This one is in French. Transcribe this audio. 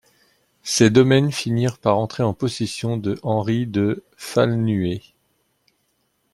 Ces domaines finirent par entrer en possession de Henri de Falnuée.